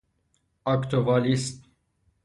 آکتوالیست